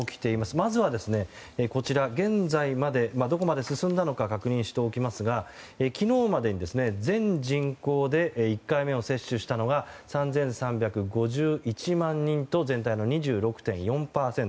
まずは現在、どこまで進んだのか確認しておきますが、昨日までに全人口で１回目を接種したのが３３５１万人と全体の２６．４％。